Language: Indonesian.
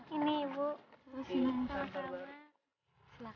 ini ibu makasih